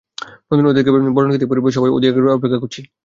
নতুন অতিথিকে বরণ করে নিতে পরিবারের সবাই অধীর আগ্রহে অপেক্ষা করছি।